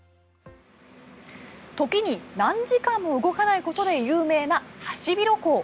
時に何時間も動かないことで有名なハシビロコウ。